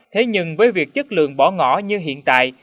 thế nhưng với việc chất lượng bỏ ngỏ như hiện tại